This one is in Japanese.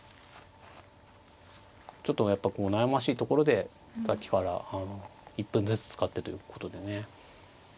ちょっとやっぱ悩ましいところでさっきから１分ずつ使ってということでね。